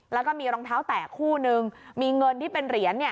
แล้วก็มีรองเท้าแตกคู่นึงมีเงินที่เป็นเหรียญเนี่ย